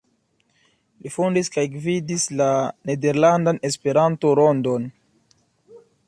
Li fondis kaj gvidis la "Nederlandan Esperanto-Rondon.